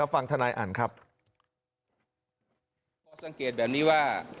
สังเกตแบบนี้ว่า